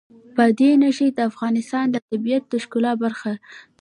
بادي انرژي د افغانستان د طبیعت د ښکلا برخه ده.